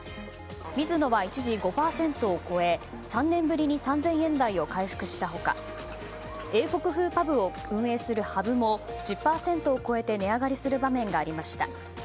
ミズノは一時５％を超え３年ぶりに３０００円台を回復した他英国風パブを運営するＨＵＢも１０％を超えて値上がりする場面がありました。